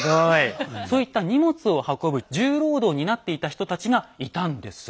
そういった荷物を運ぶ重労働を担っていた人たちがいたんです。